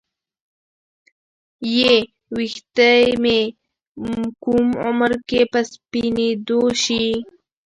ې ویښته مو کوم عمر کې په سپینیدو شي